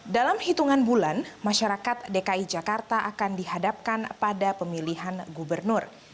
dalam hitungan bulan masyarakat dki jakarta akan dihadapkan pada pemilihan gubernur